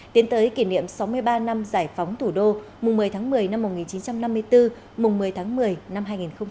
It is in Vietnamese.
tiến tới kỷ niệm sáu mươi ba năm giải phóng thủ đô mùng một mươi tháng một mươi năm một nghìn chín trăm năm mươi bốn mùng một mươi tháng một mươi năm hai nghìn hai mươi bốn